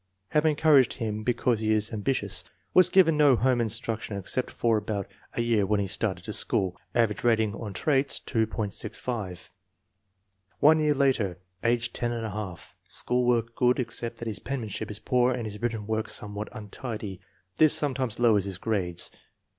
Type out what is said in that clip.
" Have encouraged him because he is not am bitious/' Was given no home instruction except for about a year when he started to school. Average rat ing on traits, 2.65. One year later, age 10J. School work good, except that his penmanship is poor and his written work somewhat untidy. This sometimes lowers his grades.